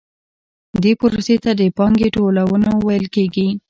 دې پروسې ته د پانګې ټولونه ویل کېږي